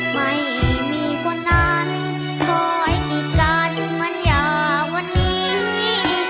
ไม่มีคนนั้นคอยกิดกันมันยาวนี้